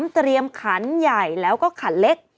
เตรียมขันใหญ่แล้วก็ขันเล็ก